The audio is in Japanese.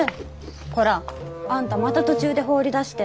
こら。あんたまた途中で放り出して。